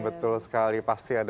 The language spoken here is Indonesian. bersama pandemi masih ada kemudahan